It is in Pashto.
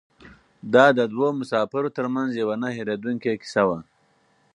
دا د دوو مسافرو تر منځ یوه نه هېرېدونکې کیسه وه.